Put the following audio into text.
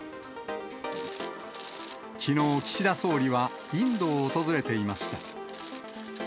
きのう、岸田総理はインドを訪れていました。